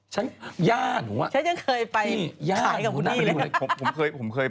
ฉันย่าหนูอ่ะฉันยังเคยไปขายกับคุณพี่เลย